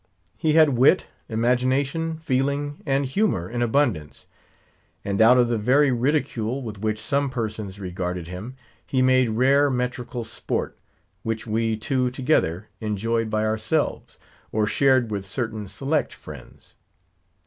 He had wit, imagination, feeling, and humour in abundance; and out of the very ridicule with which some persons regarded him, he made rare metrical sport, which we two together enjoyed by ourselves; or shared with certain select friends.